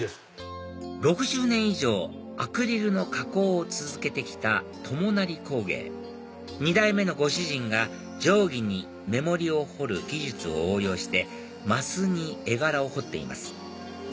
６０年以上アクリルの加工を続けて来た友成工芸２代目のご主人が定規に目盛りを彫る技術を応用して升に絵柄を彫っています